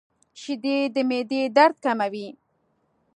• شیدې د معدې درد کموي.